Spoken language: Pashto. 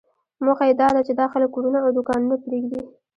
موخه یې داده چې دا خلک کورونه او دوکانونه پرېږدي.